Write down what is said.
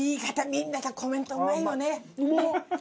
みんなさコメントうまいよね。